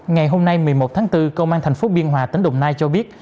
ngày hôm nay một mươi một tháng bốn công an thành phố biên hòa tỉnh đồng nai cho biết